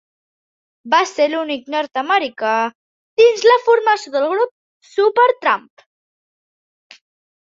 Va ser l'únic nord-americà dins la formació del grup Supertramp.